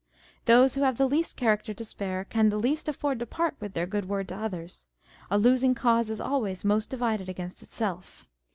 Those who have the least character to spare, can the least afford to part with their good word to others : a losing cause is always most divided against itself.